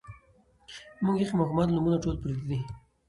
مونږ ایخي مـاشومـانو لـه نومـونه ټول پردي دي